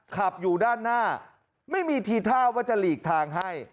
ขับอยู่ด้านหน้าไม่มีทีท่าว่าจะหลีกทางให้